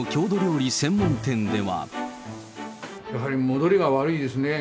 やはり戻りが悪いですね。